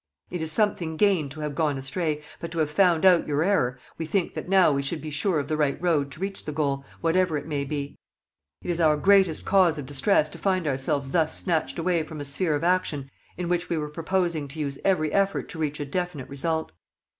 It is something gained to have gone astray, but to have found out your error; we think that now we should be sure of the right road to reach the goal, whatever it may be. It is our greatest cause of distress to find ourselves thus snatched away from a sphere of action in which we were proposing to use every effort to reach a definite result.